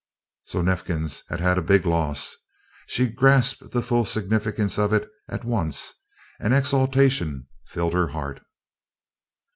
So Neifkins had had a big loss! She grasped the full significance of it at once and exultation filled her heart.